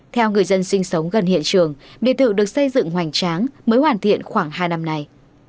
theo người dân sinh sống gần hiện trường biệt thự được xây dựng hoành tráng mới hoàn thiện khoảng hai năm nay